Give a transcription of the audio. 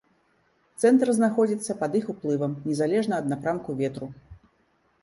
Цэнтр знаходзіцца пад іх уплывам незалежна ад напрамку ветру.